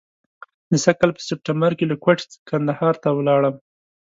د سږ کال په سپټمبر کې له کوټې کندهار ته ولاړم.